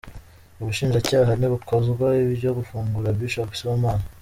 Ubushinjacyaha ntibukozwa ibyo gufungura Bishop Sibomana.